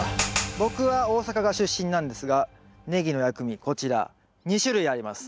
僕は大阪が出身なんですがネギの薬味こちら２種類あります。